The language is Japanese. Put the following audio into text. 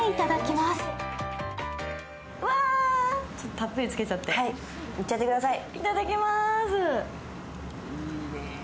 たっぷりつけちゃって、いただきまーす。